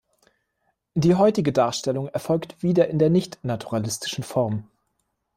Die heutige Darstellung erfolgt wieder in der nicht-naturalistischen Form.